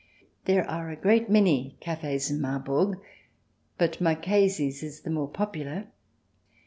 There are a great many cafes in Marburg, but Marchesi's is the more popular.